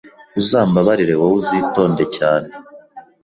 uzambabarire wowe uzitonde cyane